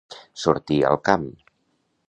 Sortir al camp.